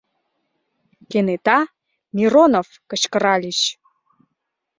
Кенета «Миронов!» кычкыральыч.